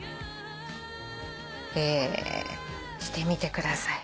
してみてください。